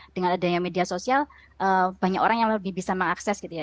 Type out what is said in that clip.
dengan adanya media sosial banyak orang yang lebih bisa mengakses gitu ya